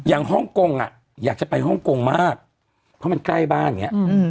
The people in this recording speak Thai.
ฮ่องกงอ่ะอยากจะไปฮ่องกงมากเพราะมันใกล้บ้านอย่างนี้